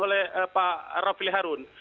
oleh pak raffi harun